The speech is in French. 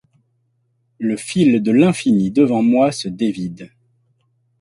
Le fil de l’infini devant moi se dévide.